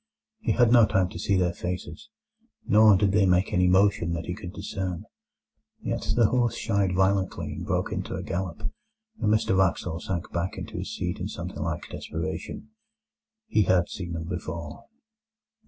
He had no time to see their faces, nor did they make any motion that he could discern. Yet the horse shied violently and broke into a gallop, and Mr Wraxall sank back into his seat in something like desperation. He had seen them before.